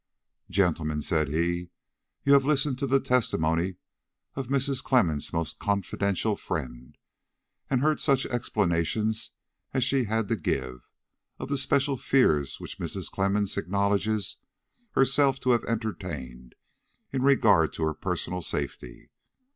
"Gentlemen," said he; "you have listened to the testimony of Mrs. Clemmens' most confidential friend, and heard such explanations as she had to give, of the special fears which Mrs. Clemmens acknowledges herself to have entertained in regard to her personal safety.